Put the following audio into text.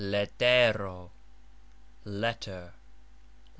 letero : letter.